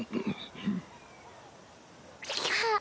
あっ。